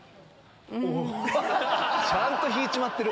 ちゃんと引いちまってる。